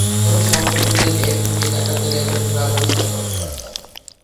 তবে স্বল্প সুদে ব্যাংক থেকে টাকা পেলে ব্যবসার আরও বিস্তার করতে পারতাম।